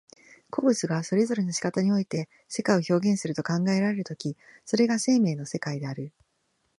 個物がそれぞれの仕方において世界を表現すると考えられる時、それが生命の世界である。